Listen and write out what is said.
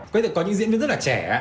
quý vị có những diễn viên rất là trẻ